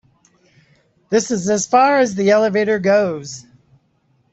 This is as far as the elevator goes.